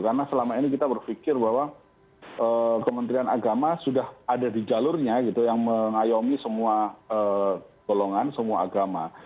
karena selama ini kita berpikir bahwa kementerian agama sudah ada di jalurnya gitu yang mengayomi semua golongan semua agama